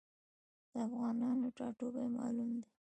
د افغانانو ټاټوبی معلوم دی.